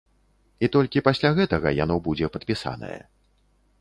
І толькі пасля гэтага яно будзе падпісанае.